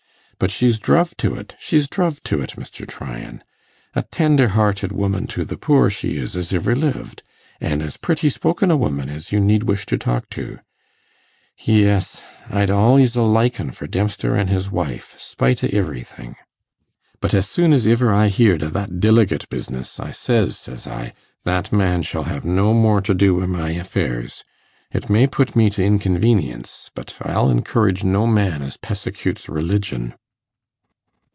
But she's druv to it, she's druv to it, Mr. Tryan. A tender hearted woman to the poor, she is, as iver lived; an' as pretty spoken a woman as you need wish to talk to. Yes! I'd al'ys a likin' for Dempster an' his wife, spite o' iverything. But as soon as iver I heared o' that dilegate business, I says, says I, that man shall hev no more to do wi' my affairs. It may put me t' inconvenience, but I'll encourage no man as pessecutes religion.